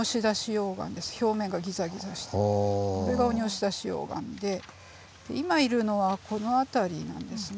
表面がギザギザしてるこれが鬼押出溶岩で今いるのはこの辺りなんですね。